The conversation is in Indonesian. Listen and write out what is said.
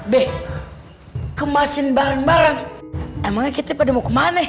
be kemasin barang barang emangnya kita pada mau ke mana